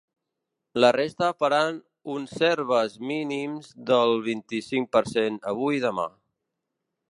La resta faran uns serves mínims del vint-i-cinc per cent avui i demà.